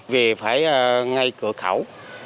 về phải ngay cửa khẩu